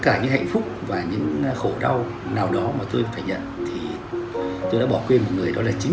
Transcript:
cả những hạnh phúc và những khổ đau nào đó mà tôi phải nhận thì tôi đã bỏ quên một người đó là chính